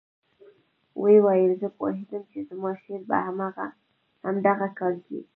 ويې ويل زه پوهېدم چې زما شېر به همدغه کار کيي.